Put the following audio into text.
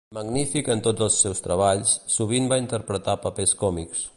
Magnífic en tots els seus treballs, sovint va interpretar papers còmics.